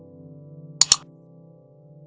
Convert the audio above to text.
โปรดติดตามตอนต่อไป